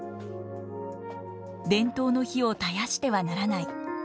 伝統の灯を絶やしてはならない。